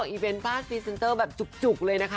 อีเวนต์ฟาดพรีเซนเตอร์แบบจุกเลยนะคะ